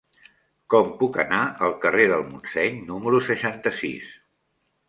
Com puc anar al carrer del Montseny número seixanta-sis?